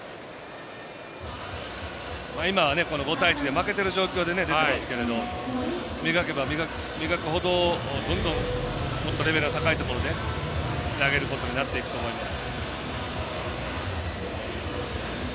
今は５対１で負けている状況で出てますけど磨けば磨くほど、どんどんもっとレベルの高いところで投げることになっていくと思います。